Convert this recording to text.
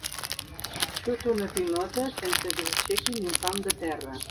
Xuto una pilota sense que s'aixequi ni un pam de terra.